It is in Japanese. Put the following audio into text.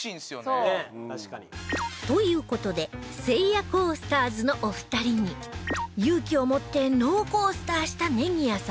という事でせいやコースターズのお二人に勇気を持ってノーコースターした祢宜谷さんと